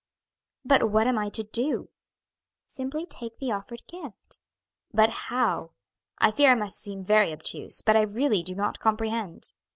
'" "But what am I to do?" "Simply take the offered gift." "But how? I fear I must seem very obtuse, but I really do not comprehend."